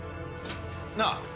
なあ。